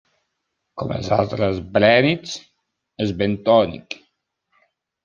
Com els altres blènnids, és bentònic.